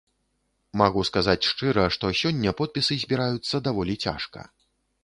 Магу сказаць шчыра, што сёння подпісы збіраюцца даволі цяжка.